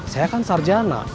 saya kan sarjana